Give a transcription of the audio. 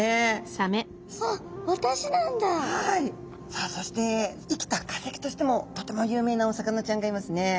さあそして生きた化石としてもとても有名なお魚ちゃんがいますね。